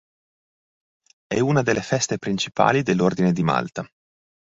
E' una delle feste principali dell'Ordine di Malta.